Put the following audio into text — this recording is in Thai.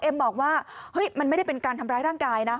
มันไม่ได้เป็นการทำร้ายร่างกายนะ